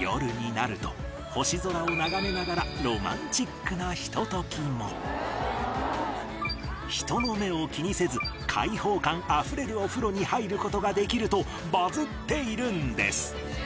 夜になると星空を眺めながらロマンチックなひと時も人の目を気にせず開放感あふれるお風呂に入ることができるとバズっているんです